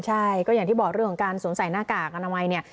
ใช่ก็อย่างที่บอกเรื่องของการสวมใส่หน้ากากอนามัยเนี่ย